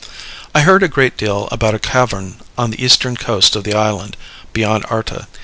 I heard a great deal about a cavern on the eastern coast of the island, beyond Arta.